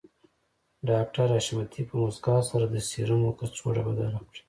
ډاکټر حشمتي په مسکا سره د سيرومو کڅوړه بدله کړه